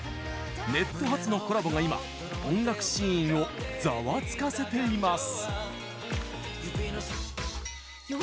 ネット発のコラボが今、音楽シーンをざわつかせています。